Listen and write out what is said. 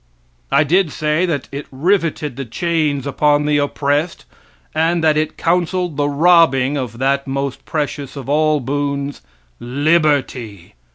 I did say that it riveted the chains upon the oppressed, and that it counseled the robbing of that most precious of all boons Liberty.